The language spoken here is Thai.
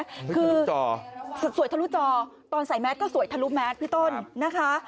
สวยทะลุจอสวยทะลุจอตอนใส่แม็กซ์ก็สวยทะลุแม็กซ์พี่ต้นนะคะ